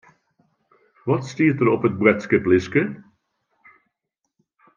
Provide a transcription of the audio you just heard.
Wat stiet der op it boadskiplistke?